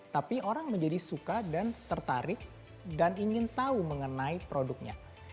tapi orang menjadi suka dan tertarik dan ingin tahu mengenai produknya